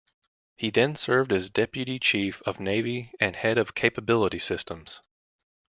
He then served as Deputy Chief of Navy and Head of Capability Systems.